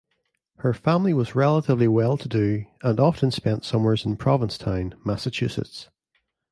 Her family was relatively well-to-do and often spent summers in Provincetown, Massachusetts.